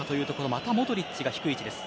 またモドリッチが低い位置です。